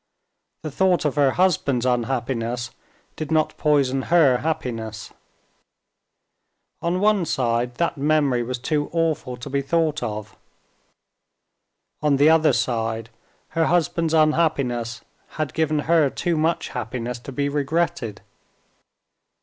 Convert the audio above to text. The thought of her husband's unhappiness did not poison her happiness. On one side that memory was too awful to be thought of. On the other side her husband's unhappiness had given her too much happiness to be regretted.